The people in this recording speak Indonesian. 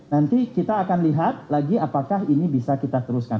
nanti kita akan lihat lagi apakah ini bisa kita teruskan